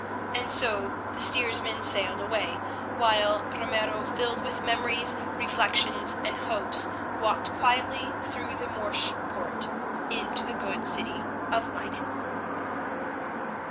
And so the steersman sailed away, while Ramiro, filled with memories, reflections, and hopes, walked quietly through the Morsch Poort into the good city of Leyden.